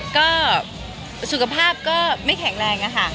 ก็สุขภาพก็ไม่แข็งแรงอะค่ะ